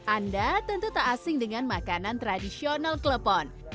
anda tentu tak asing dengan makanan tradisional klepon